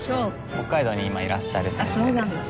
北海道に今いらっしゃる先生です。